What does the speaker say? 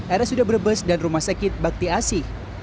area sudaberebes dan rumah sakit bakti asih